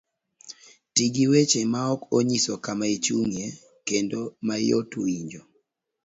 Ti gi weche maok onyiso kama ichung'ye kendo mayot winjo.